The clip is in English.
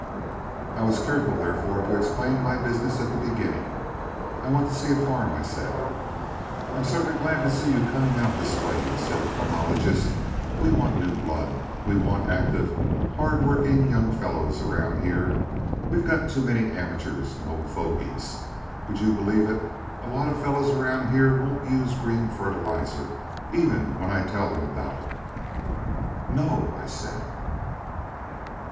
I was careful, therefore, to explain my business at the beginning. "I want to see a farm," I said. "I'm certainly glad to see you coming out this way," said the pomologist. "We want new blood. We want active, hard working young fellows around here. We got too many amateurs and old fogies. Would you believe it, a lot of fellows around here won't use green fertilizer, even when I tell them about it." "No?" I said.